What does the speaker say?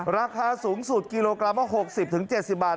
ราคาสูงสุดกิโลกรัมละ๖๐๗๐บาท